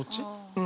うん。